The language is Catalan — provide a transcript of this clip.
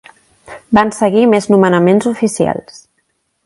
Van seguir més nomenaments oficials.